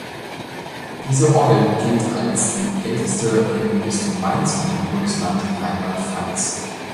Diese Orgel gilt als die älteste im Bistum Mainz und im Bundesland Rheinland-Pfalz.